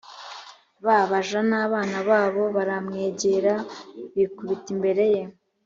ba baja n abana babo baramwegera bikubita imbere ye